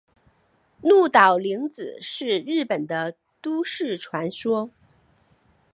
鹿岛零子是日本的都市传说。